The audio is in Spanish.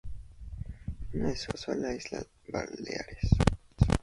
Una de sus ramas pasó a las Islas Baleares.